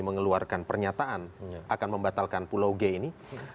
mengeluarkan pernyataan akan membatalkan pulau g ini